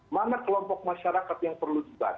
mana kelompok masyarakat yang perlu dibuat